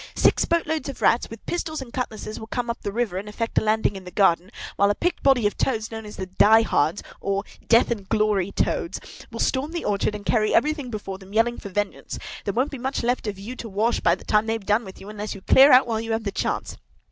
Six boatloads of Rats, with pistols and cutlasses, will come up the river and effect a landing in the garden; while a picked body of Toads, known at the Die hards, or the Death or Glory Toads, will storm the orchard and carry everything before them, yelling for vengeance. There won't be much left of you to wash, by the time they've done with you, unless you clear out while you have the chance!